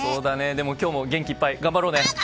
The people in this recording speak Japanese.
でも、今日も元気いっぱい頑張ろう！